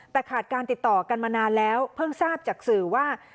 แต่ขาดการติดต่อกันมานานแล้วเพิ่งทราบจากสื่อว่า